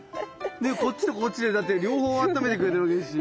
ねこっちとこっちでだって両方あっためてくれてるわけですし。